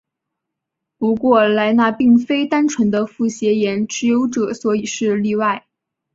不过莱纳并非单纯的复写眼持有者所以是例外。